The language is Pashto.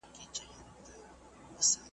په ماشومو یتیمانو به واسکټ نه سي منلای .